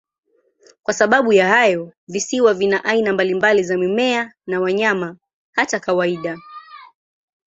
Kwa sababu ya hayo, visiwa vina aina mbalimbali za mimea na wanyama, hata kawaida.